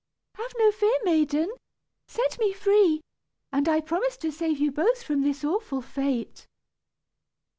"Have no fear, maiden. Set me free, and I promise to save you both from this awful fate."